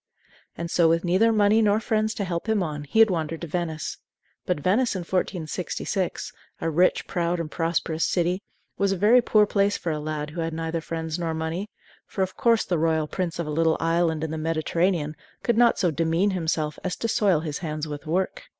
And so, with neither money nor friends to help him on, he had wandered to Venice. But Venice in 1466, a rich, proud, and prosperous city, was a very poor place for a lad who had neither friends nor money; for, of course, the royal prince of a little island in the Mediterranean could not so demean himself as to soil his hands with work!